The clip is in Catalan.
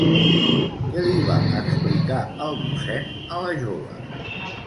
Què li va explicar el mossèn a la jove?